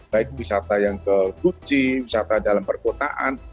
baik wisata yang ke guci wisata dalam perkotaan